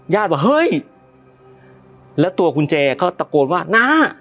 ญาติว่าเฮ้ยแล้วตัวคุณเจก็ตะโกนว่าน้า